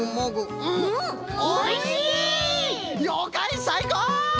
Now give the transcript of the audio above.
ようかいさいこう！